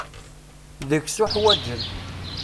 Deg-s uḥwaǧen.